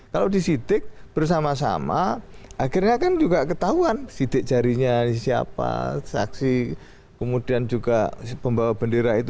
kalau disitik bersama sama akhirnya kan juga ketahuan sidik jarinya siapa saksi kemudian juga pembawa bendera itu